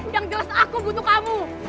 yang jelas aku butuh kamu